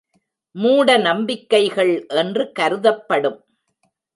மூட நம்பிக்கைகள் என்று கருதப்படும்.